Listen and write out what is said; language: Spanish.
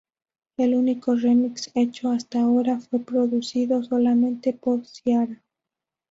El único remix hecho hasta ahora fue producido solamente por Ciara.